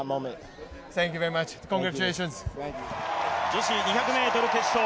女子２００ｍ決勝。